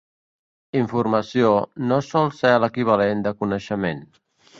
"Informació" no sol ser l'equivalent de "coneixement".